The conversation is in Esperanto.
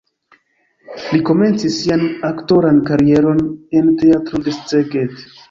Li komencis sian aktoran karieron en Teatro de Szeged.